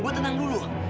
ibu tenang dulu